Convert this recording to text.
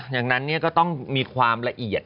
อย่างนั้นก็ต้องมีความละเอียด